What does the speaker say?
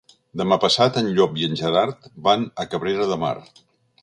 Demà passat en Llop i en Gerard van a Cabrera de Mar.